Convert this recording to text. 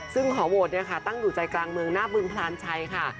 ซึ่งหอโหวตตั้งอยู่ใจกลางเมืองหน้าบึงพลานชัยค่ะ